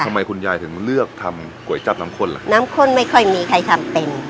ทำไมคุณยายถึงเลือกทำก๋วยจับน้ำข้นล่ะน้ำข้นไม่ค่อยมีใครทำเป็น